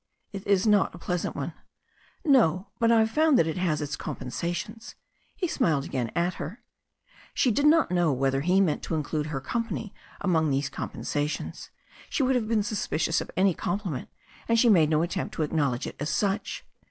"It is not a pleasant one." "No, but I've found that it has its compensations." He smiled again at her. She did not know whether he meant to include her com pany among these compensations. She would have been suspicious of any compliment, and she made no attempt to acknowledge it as such.